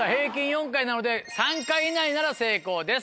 ４回なので３回以内なら成功です。